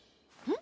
ん？